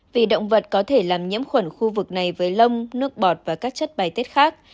vì động vật có thể làm nhiễm khuẩn khu vực này với lông nước bọt và các chất bài tết khác